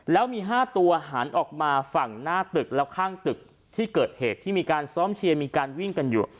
แล้วมี๕ตัวหันออกมาฝั่งหน้าตึกแล้วข้างตึกที่เกิดเหตุที่มีการซ้อมเชียร์มีการวิ่งกันอยู่